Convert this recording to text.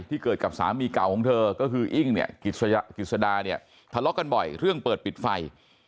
เกิดกับสามีเก่าของเธอก็คืออิ้งเนี่ยกิจสดาเนี่ยทะเลาะกันบ่อยเรื่องเปิดปิดไฟ